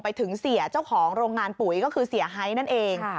ไปถึงเสียเจ้าของโรงงานปุ๋ยก็คือเสียหายนั่นเอง